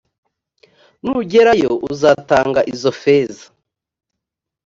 nugerayo, uzatanga izo feza